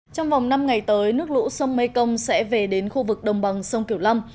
trong vòng năm ngày tới nước lũ sông mekong sẽ về đến khu vực đồng bằng sông kiểu long